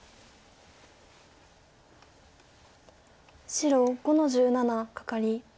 白５の十七カカリ。